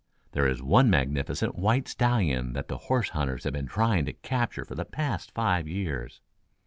There is one magnificent white stallion that the horse hunters have been trying to capture for the past five years."